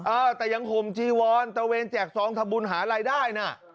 อ่าวแต่อย่างคมจีวอนตะเวงแจกสองทะบุญหาลายได้นะ